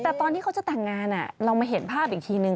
แต่ตอนที่เขาจะแต่งงานเรามาเห็นภาพอีกทีนึง